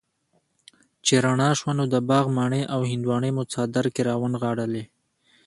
چې رڼا شوه نو د باغ مڼې او هندواڼې مو څادر کي را ونغاړلې